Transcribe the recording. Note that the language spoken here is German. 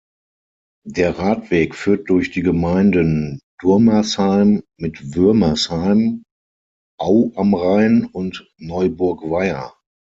Der Radweg führt durch die Gemeinden Durmersheim mit Würmersheim, Au am Rhein und Neuburgweier.